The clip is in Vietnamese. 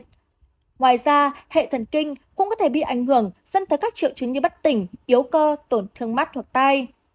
ngoài ra hệ thần kinh cũng có thể bị ảnh hưởng dẫn tới các triệu chứng như bất tỉnh yếu cơ tổn thương mắt hoặc tai